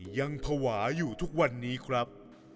ยังภาวะอยู่ทุกวันนี้ครับ